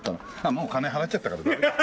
もう金払っちゃったからダメだ。